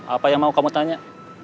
apa yang mau kamu tanya